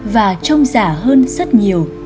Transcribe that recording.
và trông giả hơn rất nhiều